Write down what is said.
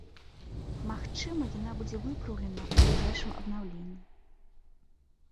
Магчыма, яна будзе выпраўленая ў бліжэйшым абнаўленні.